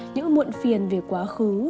những muộn phiền về quá khứ